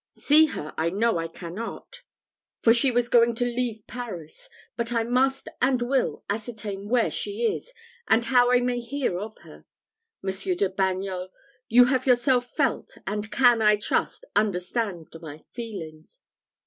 See her I know I cannot, for she was going to leave Paris; but I must and will ascertain where she is, and how I may hear of her. Monsieur de Bagnols, you have yourself felt, and can, I trust, understand my feelings."